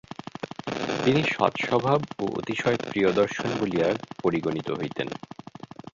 তিনি সৎস্বভাব ও অতিশয় প্রিয়দর্শন বলিয়া পরিগণিত হইতেন।